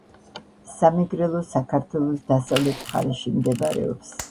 სამეგრელო საქართველოს დასავლეთ მხარეში მდებარეობს